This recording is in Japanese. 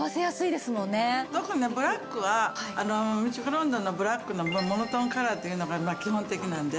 特にねブラックはミチコロンドンのブラックのモノトーンカラーというのが基本的なんで。